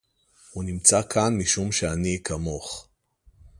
הוא נמצא כאן משום שאני כמוך